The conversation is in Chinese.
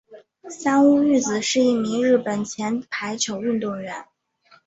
三屋裕子是一名日本前排球运动员。